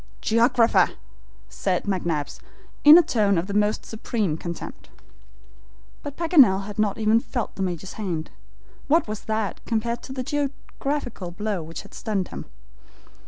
"Geographer!" said McNabbs, in a tone of the most supreme contempt. But Paganel had not even felt the Major's hand. What was that compared to the geographical blow which had stunned him?